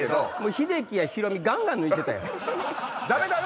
秀樹やひろみガンガン抜いてたよ。